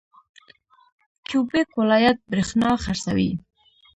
کیوبیک ولایت بریښنا خرڅوي.